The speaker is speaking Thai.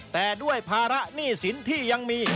แต่ด้วยภาระหนี้สินที่ยังมี